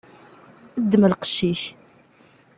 Ddem lqec-ik.